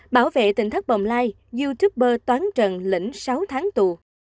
bảo vệ tỉnh thất bồng lai youtuber toán trần lĩnh sáu tháng tù